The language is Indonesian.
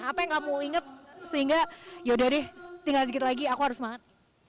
apa yang kamu inget sehingga yaudah deh tinggal sedikit lagi aku harus semangat